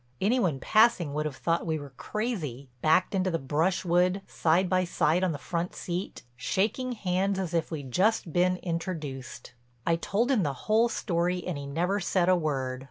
Any one passing would have thought we were crazy, backed into the brushwood, side by side on the front seat, shaking hands as if we'd just been introduced. I told him the whole story and he never said a word.